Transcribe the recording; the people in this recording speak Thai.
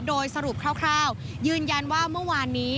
โดยสรุปคร่าวยืนยันว่าเมื่อวานนี้